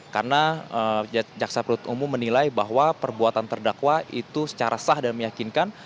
karena jaksa perut umum menilai bahwa perbuatan terdakwa itu secara sah dan meyakinkan